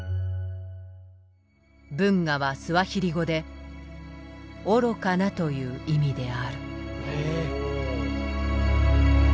「ブンガ」はスワヒリ語で「愚かな」という意味である。